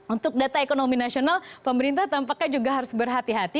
untuk data ekonomi nasional pemerintah tampaknya juga harus berhati hati